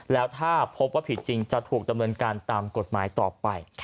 แล้วถ้าพบว่าผิดจริงจะถูกดำเนินการตามกฎหมายต่อไป